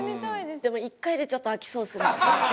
でも１回でちょっと飽きそうっすね。